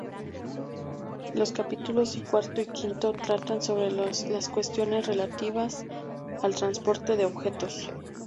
Los capítulos cuarto y quinto tratan sobre las cuestiones relativas al transporte de objetos.